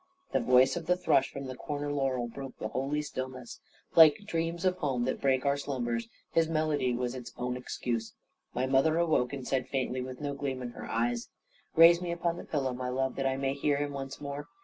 The voice of the thrush, from the corner laurel, broke the holy stillness. Like dreams of home that break our slumbers, his melody was its own excuse. My mother awoke, and said faintly, with no gleam in her eyes: "Raise me upon the pillow, my love, that I may hear him once more.